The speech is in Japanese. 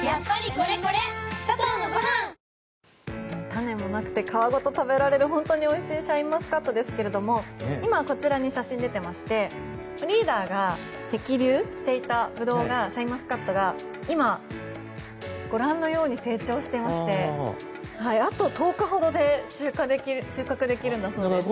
種もなくて皮ごと食べられる本当においしいシャインマスカットですが今、こちらに写真が出ていましてリーダーが摘粒していたシャインマスカットが今、ご覧のように成長していましてあと１０日ほどで収穫できるんだそうです。